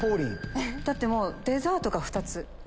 だってデザートが２つ。